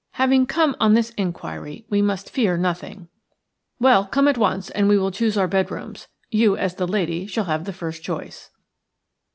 "Having come on this inquiry, we must fear nothing." "Well, come at once, and we will choose our bedrooms. You as the lady shall have the first choice."